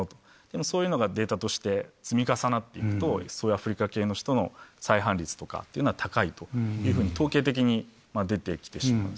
でもそういうのがデータとして積み重なって行くとそういうアフリカ系の人の再犯率とかっていうのは高いというふうに統計的に出て来てしまう。